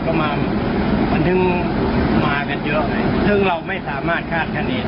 พร้อมพร้อมกันแล้วที่คนมากนี่เป็นเพราะว่าคนเก่าที่เคยชื่นชอบ